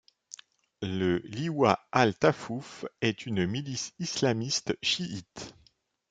Le Liwa al-Tafuf est une milice islamiste chiite.